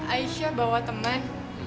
aisyah bawa teman